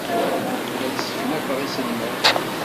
La d-sseknafeɣ iselman.